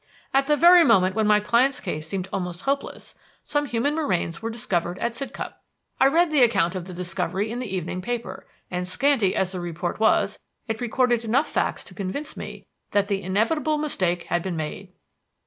"At the very moment when my client's case seemed almost hopeless, some human remains were discovered at Sidcup. I read the account of the discovery in the evening paper, and scanty as the report was, it recorded enough facts to convince me that the inevitable mistake had been made."